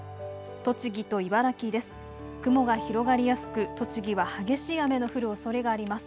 栃木と茨城です。